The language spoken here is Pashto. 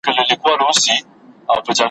سبا اختر دی موري زه نوې بګړۍ نه لرم ,